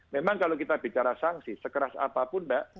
memang kalau kita bicara sanksi sekeras apapun mbak